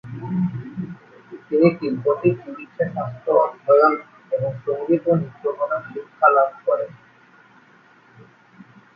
তিনি তিব্বতী চিকিৎসাশাস্ত্র অধ্যয়ন এবং সঙ্গীত ও নৃত্যকলার শিক্ষালাভক করেন।